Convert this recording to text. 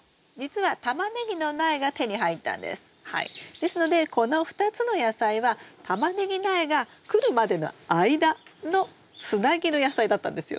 ですのでこの２つの野菜はタマネギ苗が来るまでの間のつなぎの野菜だったんですよ。